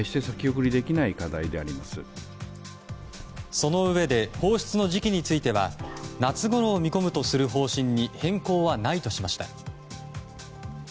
そのうえで放出の時期については夏ごろを見込むとする方針に変更はないとしました。